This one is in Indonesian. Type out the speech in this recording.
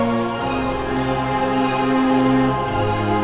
baik dari kita